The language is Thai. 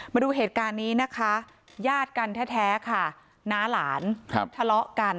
มาดูเหตุการณ์นี้นะคะญาติกันแท้ค่ะน้าหลานทะเลาะกัน